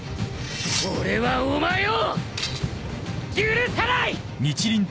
俺はお前を許さない！